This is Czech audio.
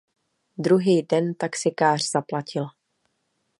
Druhý den taxikář zaplatil.